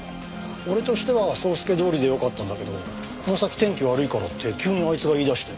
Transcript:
俺としては総スケどおりでよかったんだけどこの先天気悪いからって急にあいつが言い出して。